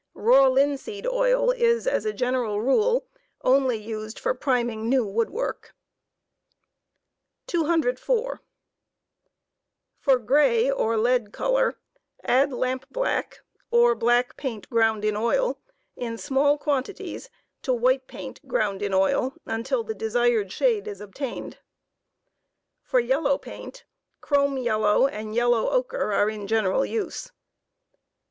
Raw linseed oil is, as a general rule, only used for priming new wood work, 204. For gray or lead color add lampblack (or black paint ground in oil) in small &Lt ' quantities to white paint, ground in oil, until the desired shade is obtained. For. yellow paint, chrome yellow and yellow ochre are in general use.